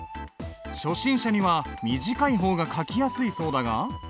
初心者には短い方が書きやすいそうだが。